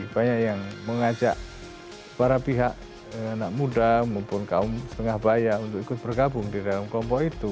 banyak yang mengajak para pihak anak muda maupun kaum setengah bayar untuk ikut bergabung di dalam kompo itu